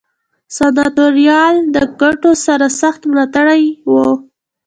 سناتوریال د ګټو سرسخت ملاتړي وو.